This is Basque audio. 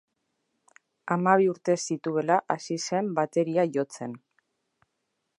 Hamabi urte zituela hasi zen bateria jotzen.